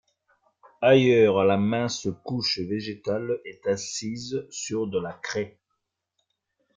Ailleurs, la mince couche végétale est assise sur de la craie.